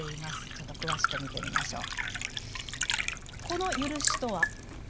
ちょっと詳しく見てみましょう。